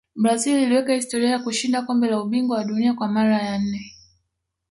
brazil iliweka historia ya kushinda kombe la ubingwa wa dunia kwa mara ya nne